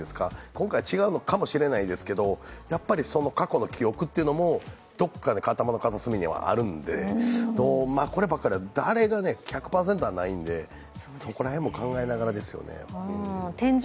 今回違うのかもしれないですけど、過去の記憶というのもどこかの頭の片隅にはあるので、こればっかりは、１００％はないので、そこら辺も考えながらですよね。